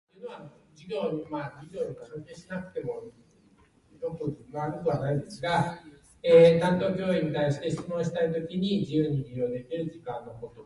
いつまで待てばいいのだろうか。